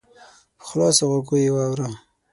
په خلاصو غوږو یې واوره !